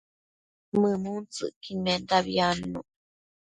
mëmuntsëcquidmendabi adnuc